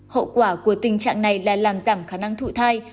hậu quả của tình trạng này là làm giảm khả năng thụ thai